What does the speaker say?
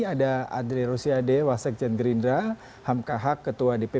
ada andri rosiade wasek jendrindra hamka hak ketua dppr